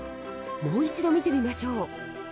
もう一度見てみましょう。